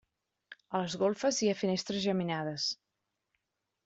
A les golfes hi ha finestres geminades.